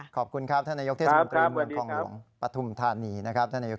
ขอบคุณครับท่านนายกเทศมนตรีเมืองคลองหลวงปฐุมธานีนะครับ